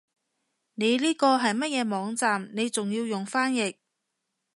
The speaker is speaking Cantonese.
你呢個係乜嘢網站你仲要用翻譯